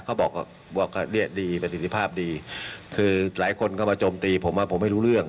เขาบอกบอกเนี่ยดีประสิทธิภาพดีคือหลายคนก็มาโจมตีผมว่าผมไม่รู้เรื่อง